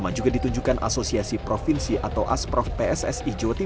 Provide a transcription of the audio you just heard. akibat adanya intervensi terhadap pssi